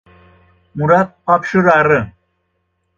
Мурат Папщур ары.